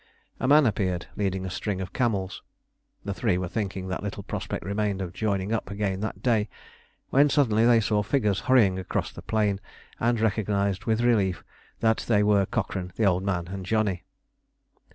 A man appeared leading a string of camels. The three were thinking that little prospect remained of joining up again that day, when suddenly they saw figures hurrying across the plain, and recognised with relief that they were Cochrane, the Old Man, and Johnny.